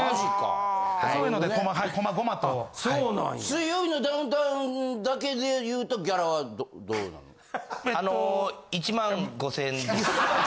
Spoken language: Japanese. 『水曜日のダウンタウン』だけでいうとギャラはどうなんです？